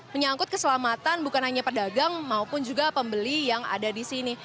menyangkut keselamatan bukan hanya pedagang maupun juga pembeli yang ada di sini